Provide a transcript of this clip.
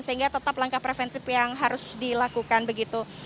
sehingga tetap langkah preventif yang harus dilakukan begitu